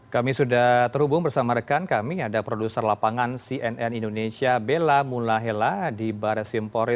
kami sudah terhubung bersama rekan kami ada produser lapangan cnn indonesia bella mulahela di barres simpori